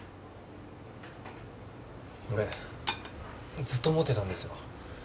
俺ずっと思ってたんですよ。